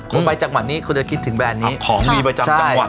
ของดีไปจำจังหวัด